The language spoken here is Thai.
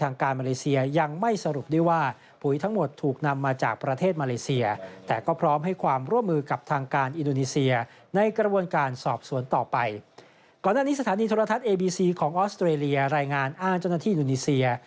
งานอ้านเจ้าหน้าที่ดูนีเซีย